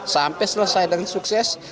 sampai selesai dengan sukses